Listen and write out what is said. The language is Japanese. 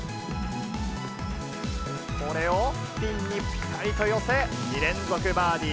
これをピンにぴたりと寄せ、２連続バーディー。